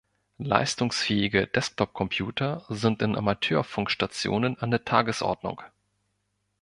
Leistungsfähige Desktop-Computer sind in Amateurfunkstationen an der Tagesordnung.